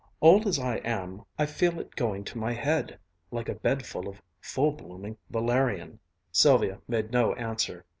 Old as I am, I feel it going to my head, like a bed of full blooming valerian." Sylvia made no answer.